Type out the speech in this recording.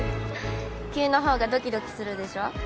急な方がドキドキするでしょ。